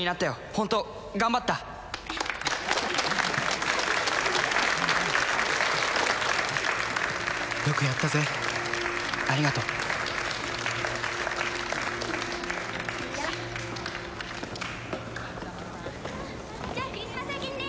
ホント頑張ったよくやったぜありがとうじゃ・じゃあクリスマス明けにね・